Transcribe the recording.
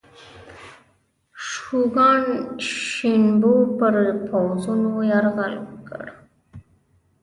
شوګان شینوبو پر پوځونو یرغل وکړ.